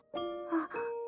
あっ！